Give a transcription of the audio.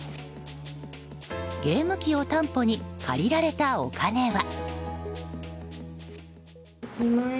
ゲーム機を担保に借りられたお金は。